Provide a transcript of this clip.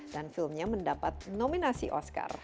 dan filmnya mendapat nominasi oscar